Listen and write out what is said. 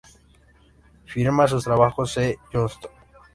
Firmaba sus trabajos C. Johnston.